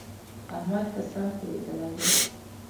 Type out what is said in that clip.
احمد ښه سم ښويېدلی دی.